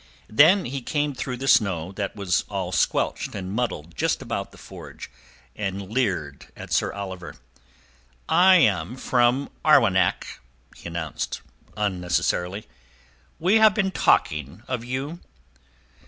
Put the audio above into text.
Then he came through the snow that was all squelched and mudded just about the forge, and leered at Sir Oliver. "I am from Arwenack," he announced unnecessarily. "We have been talking of you."